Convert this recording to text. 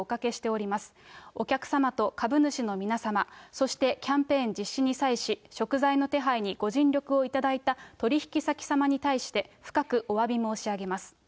お客様と株主の皆様、そしてキャンペーン実施に際し、食材の手配にご尽力をいただいた取引先様に対して、深くおわび申し上げます。